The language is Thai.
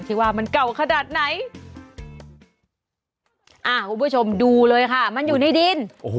พวกผู้ชมดูเลยค่ะมันอยู่ในดิน